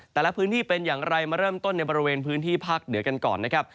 แต่ละพื้นที่เป็นอย่างไรมาเริ่มต้นในบริเวณพื้นที่ภาคเหนือกันก่อนนะครับ